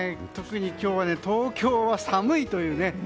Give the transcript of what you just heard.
特に今日は東京は寒いというね。